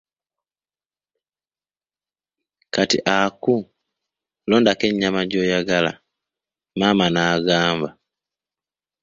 Kati Aku, londako ennyama gy'oyagala, maama n'agamba.